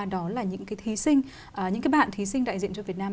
đó là những cái thí sinh những cái bạn thí sinh đại diện cho việt nam